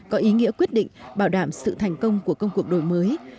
có ý nghĩa quyết định bảo đảm sự thành công của công cuộc đổi mới